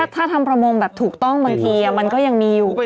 ถ้าทำบ่อน้ำปลาถูกต้องบางทีอะมันก็ยังมีอยู่